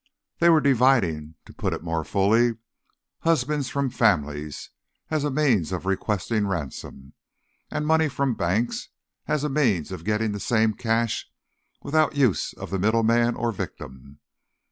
They were dividing, to put it more fully, husbands from families as a means of requesting ransom, and money from banks as a means of getting the same cash without use of the middleman, or victim.